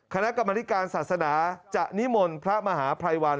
คณะกรรมนิการศาสนาจะนิมนต์พระมหาภัยวัน